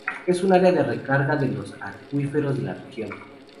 Es un área de recarga de los acuíferos de la región.